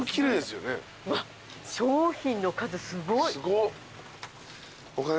わっ商品の数すごい。